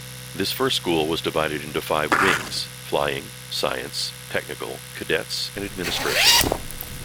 This first school was divided into five "wings": Flying, Science, Technical, Cadets and Administration.